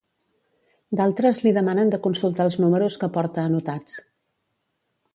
D'altres li demanen de consultar els números que porta anotats.